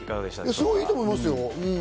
すごくいいと思います。